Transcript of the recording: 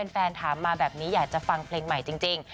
ถามมาแบบนี้อยากจะฟังเพลงใหม่จริง